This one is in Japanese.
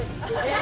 え！